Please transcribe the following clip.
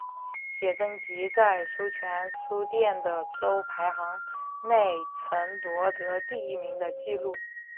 写真集在书泉书店的周排名内曾夺得第一名的纪录。